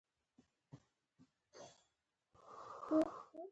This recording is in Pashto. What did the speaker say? چې ښځه فطري کمزورې پيدا شوې ده